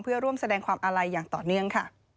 เพื่อร่วมแสดงความอาลัยอย่างต่อเนื่องค่ะ